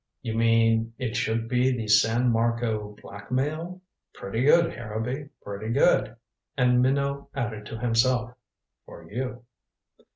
"You mean it should be the San Marco Blackmail? Pretty good, Harrowby, pretty good." And Minot added to himself "for you."